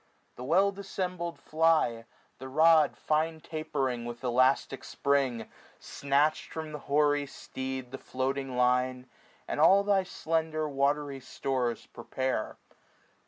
The well dissembled fly. The rod fine tapering with elastic spring. Snatched from the hoary steed the floating line. And all thy slender watry stores prepare.